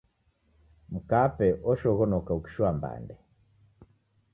Mkape oshoghonoka ukishoa mbande.